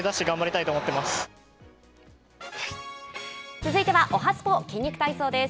続いてはおはＳＰＯ筋肉体操です。